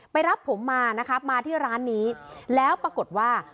รับผมมานะครับมาที่ร้านนี้แล้วปรากฏว่า